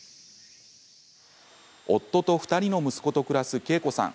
夫と２人の息子と暮らすけいこさん。